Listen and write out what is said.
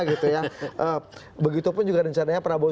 begitu ya begitupun juga rencananya prabowo